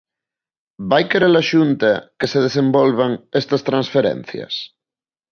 Vai querer a Xunta que se desenvolvan estas transferencias?